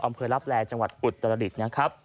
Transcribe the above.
อำเภอลับแลจังหวัดอุตรดิษฐ์นะครับ